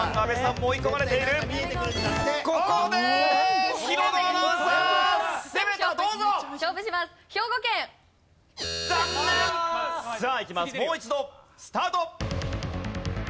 もう一度スタート！